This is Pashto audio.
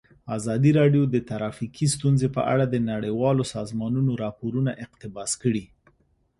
ازادي راډیو د ټرافیکي ستونزې په اړه د نړیوالو سازمانونو راپورونه اقتباس کړي.